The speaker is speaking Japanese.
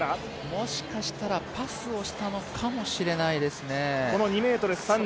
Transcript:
もしかしたらパスをしたのかもしれないですね。